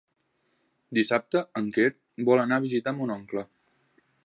Dissabte en Quer vol anar a visitar mon oncle.